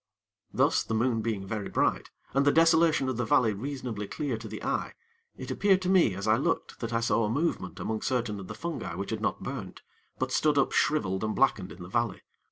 Thus, the moon being very bright, and the desolation of the valley reasonably clear to the eye, it appeared to me, as I looked that I saw a movement among certain of the fungi which had not burnt, but stood up shriveled and blackened in the valley.